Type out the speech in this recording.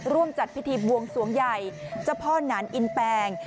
ร่วมจัดพิธีบวงสวงใหญ่เจ้าพ่อหนานอินแปง